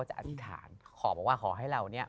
พี่ยังไม่ได้เลิกแต่พี่ยังไม่ได้เลิก